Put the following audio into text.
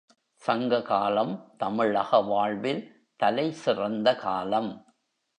சங்க காலம், தமிழக வாழ்வில் தலை சிறந்த காலம்.